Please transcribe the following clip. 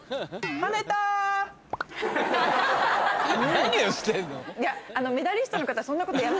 何をしてんの？